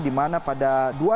dimana pada dua ribu enam